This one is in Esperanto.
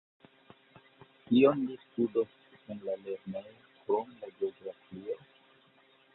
Kion li studos en la lernejo, krom la geografio?